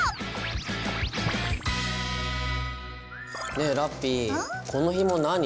ねえラッピィこのひも何？